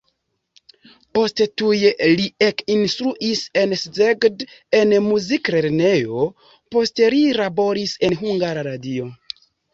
Poste tuj li ekinstruis en Szeged en muziklernejo, poste li laboris en Hungara Radio.